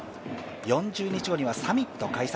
４０日後にはサミットが開催。